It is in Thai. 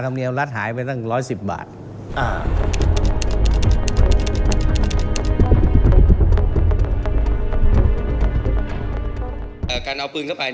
มีการที่จะพยายามติดศิลป์บ่นเจ้าพระงานนะครับ